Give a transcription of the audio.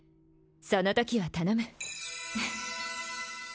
そのときは頼む